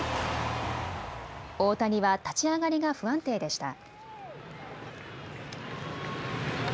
大谷は立ち上がりが不安定でした。